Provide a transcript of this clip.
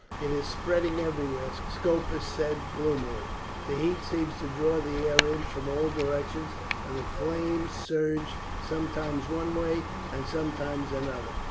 "It is spreading everywhere," Scopus said gloomily. "The heat seems to draw the air in from all directions, and the flames surge sometimes one way and sometimes another.